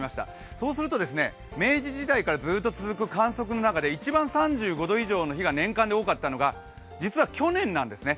そうすると明治時代からずっと続く観測の中で一番３５度以上の日が年間で多かったのが実は去年なんですね。